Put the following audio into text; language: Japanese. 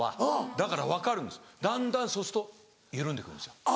だから分かるんですだんだんそうすると緩んで来るんですよ。